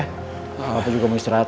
kapan pun juga mau istirahat